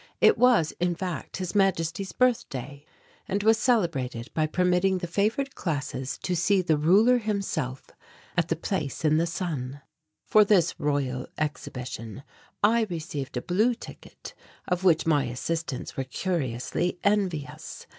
It was, in fact, His Majesty's birthday, and was celebrated by permitting the favoured classes to see the ruler himself at the Place in the Sun. For this Royal exhibition I received a blue ticket of which my assistants were curiously envious.